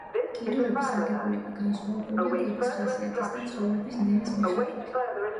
კიდურების აგებულება განსხვავებულია კვების ხასიათის და ცხოვრების ნირის მიხედვით.